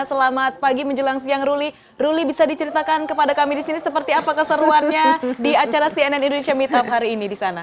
selamat pagi menjelang siang ruli ruli bisa diceritakan kepada kami di sini seperti apa keseruannya di acara cnn indonesia meetup hari ini di sana